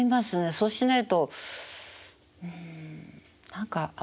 そうしないとうん何かああ